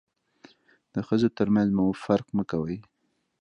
د ښځو تر منځ مو فرق مه کوئ.